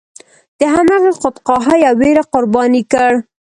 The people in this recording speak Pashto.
د همغې خودخواهۍ او ویرې قرباني کړ.